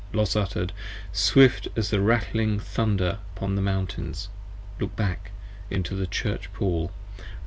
Los utter'd, swift as the rattling thunder upon the mountains : Look back into the Church Paul!